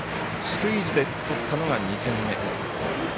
スクイズで取ったのが２点目。